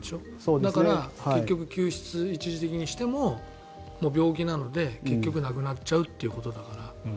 だから結局救出を一時的にしても病気なので結局亡くなっちゃうということだから。